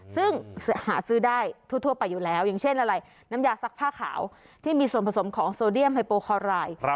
ซึ่งหาซื้อได้ทั่วไปอยู่แล้วอย่างเช่นอะไรน้ำยาซักผ้าขาวที่มีส่วนผสมของโซเดียมไฮโปคอราย